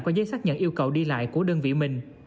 có giấy xác nhận yêu cầu đi lại của đơn vị mình